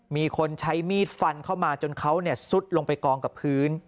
มีคนใช้มีดฟันเข้ามาจนเขาซุดลงไปกองกับพื้น